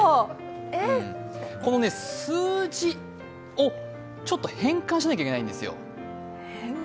この数字をちょっと変換しなきゃいけないんですよ。